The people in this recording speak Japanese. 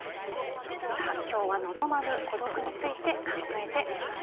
今日は、望まぬ孤独について考えてきました。